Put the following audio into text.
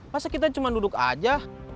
masa kita cuma duduk aja